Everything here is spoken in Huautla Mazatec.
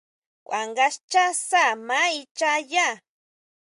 Kuá nga xchá sá maa ichá yá.